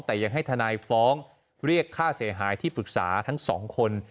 แต่ยังให้ทนายฟ้องเรียกค่าเสียหายที่ปรึกษาทั้งสองคน